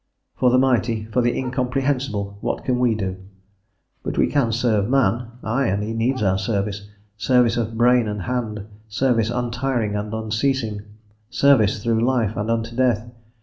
For the Mighty, for the Incomprehensible, what can we do? But we can serve man, ay, and he needs our service; service of brain and hand, service untiring and unceasing, service through life and unto death.